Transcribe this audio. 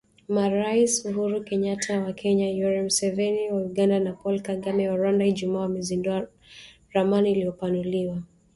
Marais Uhuru Kenyata wa Kenya, Yoweri Museveni wa Uganda, na Paul Kagame wa Rwanda Ijumaa wamezindua ramani iliyopanuliwa